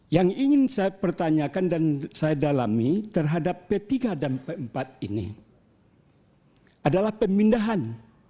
yang ingin saya pertanyakan dan saya dalami terhadap p tiga dan p empat ini adalah pemindahan